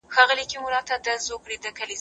د لويي جرګې له پاره ځانګړې اجنډا څوک جوړوي؟